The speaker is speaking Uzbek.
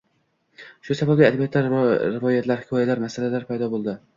Shu sababli adabiyotda rivoyatlar, hikoyatlar, masallar paydo boʻlgan